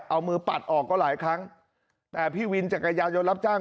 เอามือปัดออกก็หลายครั้งแต่พี่วินจักรยานยนต์รับจ้าง